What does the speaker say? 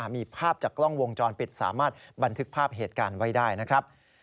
มีภาพจากกล้องวงจรปิดสามารถบันทึกภาพเหตุการณ์ไว้ได้นะครับ